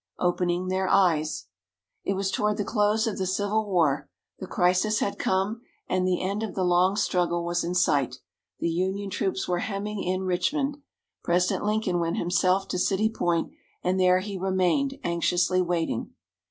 Opening Their Eyes It was toward the close of the Civil War, the crisis had come, and the end of the long struggle was in sight. The Union troops were hemming in Richmond. President Lincoln went himself to City Point, and there he remained, anxiously waiting.